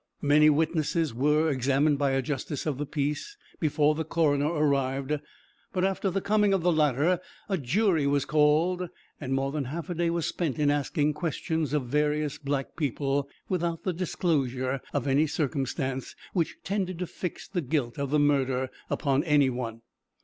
Many witnesses were examined by a justice of the peace, before the coroner arrived, but after the coming of the latter, a jury was called; and more than half a day was spent in asking questions of various black people, without the disclosure of any circumstance, which tended to fix the guilt of the murder upon any one.